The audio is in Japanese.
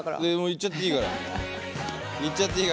いっちゃっていいから。